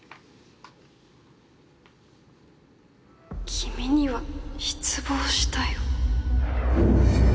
「君には失望したよ」